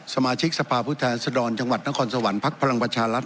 สมาชิกสภาพผู้แทนสดรจังหวัดนครสวรรค์พักพลังประชารัฐ